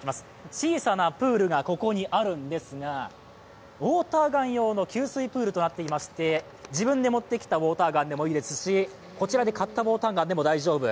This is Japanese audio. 小さなプールがここにあるんですがウォーターガン用の給水プールとなっていまして自分で持ってきたウォーターガンでもいいですしこちらで買ったウォーターガンでも大丈夫。